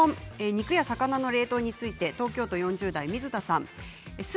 肉や魚の冷凍について東京都４０代の方です。